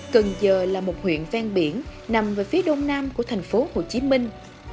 cần chờ là một huyện ven biển nằm về phía đông nam của thành phố hồ chí minh